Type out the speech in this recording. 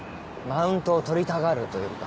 マウントを取りたがるというか。